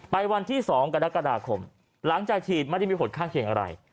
วันที่๒กรกฎาคมหลังจากฉีดไม่ได้มีผลข้างเคียงอะไร